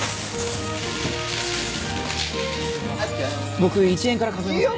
僕１円から数えますね。